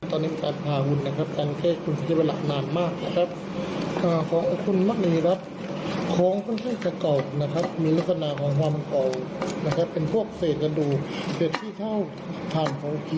ออกมาในลักษณ์ขนาดแบบนี้ถือว่าค่อนข้างจะโดนนาน